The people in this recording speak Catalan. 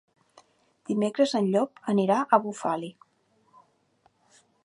Dimecres en Llop anirà a Bufali.